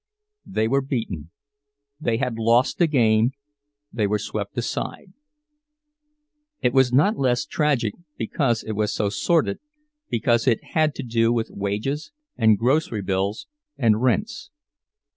They were beaten; they had lost the game, they were swept aside. It was not less tragic because it was so sordid, because it had to do with wages and grocery bills and rents.